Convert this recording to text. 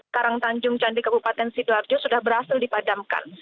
karangtanjung candi kabupaten sidoarjo sudah berhasil dipadamkan